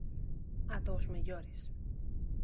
Ata os mellores.